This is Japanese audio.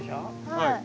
はい。